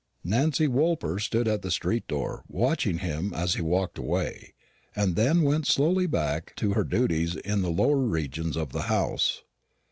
Nancy Woolper stood at the street door watching him as he walked away, and then went slowly back to her duties in the lower regions of the house.